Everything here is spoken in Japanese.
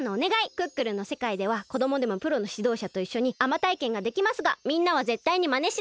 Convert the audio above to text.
「クックルン」のせかいではこどもでもプロのしどうしゃといっしょにあまたいけんができますがみんなはぜったいにマネしないでね！